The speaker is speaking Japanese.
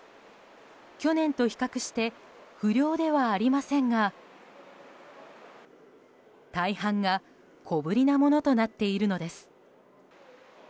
去年と比較して不漁ではありませんが大半が小ぶりなものとなっているのです。